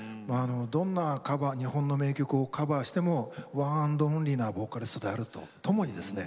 どんなカバー日本の名曲をカバーしてもワンアンドオンリーなボーカリストであるとともにですね